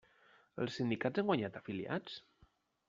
Els sindicats han guanyat afiliats?